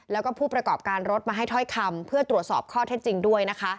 และผู้ประกอบการรถมาให้ท่อยคำจะตรวจสอบข้อเทศจริงด้วย